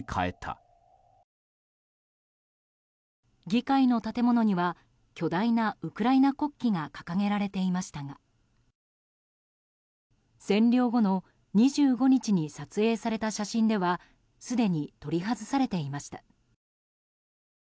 議会の建物には巨大なウクライナ国旗が掲げられていましたが占領後の２５日に撮影された写真ではすでに取り外されていました。